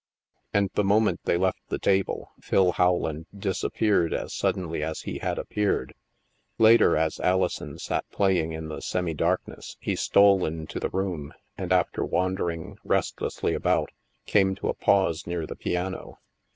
And the moment they left the table, Phil Howland disappeared as suddenly as he had appeared. Later, as Alison sat playing in the semi darkness, he stole into the room and, after wandering restlessly about, came to a pause near the piano.